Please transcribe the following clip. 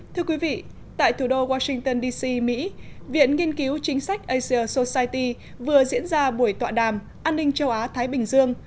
thưa quý vị tại thủ đô washington dc mỹ viện nghiên cứu chính sách asia socity vừa diễn ra buổi tọa đàm an ninh châu á thái bình dương